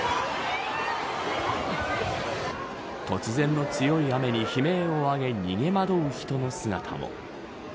突然の強い雨に悲鳴を上げ逃げ惑う人の姿も。